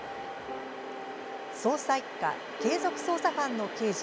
捜査一課、継続捜査班の刑事